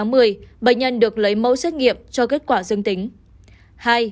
ngày bảy một mươi bệnh nhân được lấy mẫu xét nghiệm cho kết quả dương tính